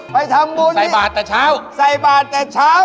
ไปทำบุญใส่บาทแต่เช้าใส่บาทแต่เช้า